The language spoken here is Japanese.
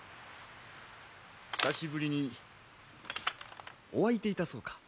久しぶりにお相手いたそうか。